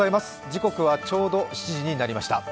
時刻はちょうど７時になりました。